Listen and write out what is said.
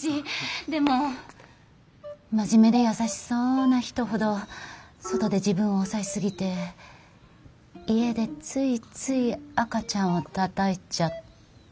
でも真面目で優しそうな人ほど外で自分を抑えすぎて家でついつい赤ちゃんをたたいちゃったり。